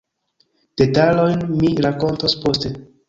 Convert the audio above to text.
Detalojn mi rakontos poste.